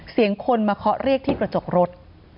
คนมาเคาะเรียกที่กระจกรถ